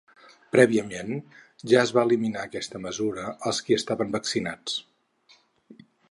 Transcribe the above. Prèviament, ja es va eliminar aquesta mesura als qui estaven vaccinats.